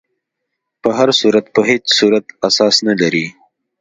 په هر صورت په هیڅ صورت اساس نه لري.